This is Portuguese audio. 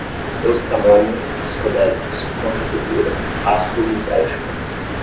estramônio, psicodélicos, contracultura, ácido lisérgico